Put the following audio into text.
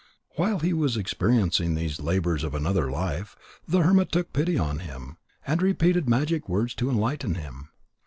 While he was experiencing all these labours of another life, the hermit took pity on him and repeated magic words to enlighten him.